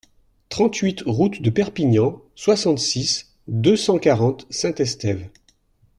trente-huit route de Perpignan, soixante-six, deux cent quarante, Saint-Estève